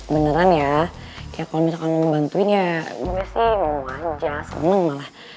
beneran ya kalau misalkan lo mau bantuin ya gue sih mau aja seneng malah